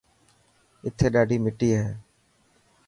اٿي ڏاڌي مٽي هي.